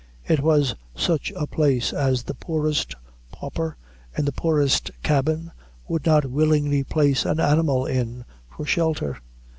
It was such a place as the poorest pauper in the poorest cabin would not willingly place an animal in for shelter.